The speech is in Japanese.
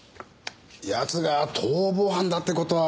奴が逃亡犯だって事は。